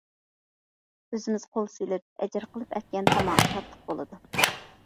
ئۆزىمىز قول سېلىپ، ئەجىر قېلىپ ئەتكەن تاماق تاتلىق بولىدۇ.